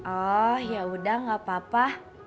oh yaudah gak apa apa